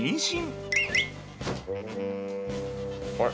あれ？